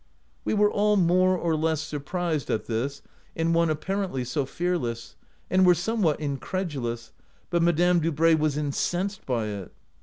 We were all more or less surprised at this in one apparently so fearless, and were somewhat incredulous, but Madame Dubray was incensed by it.